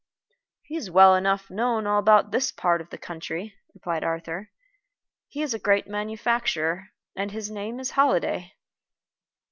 "He's well enough known all about this part of the country," replied Arthur. "He is a great manufacturer, and his name is Holliday."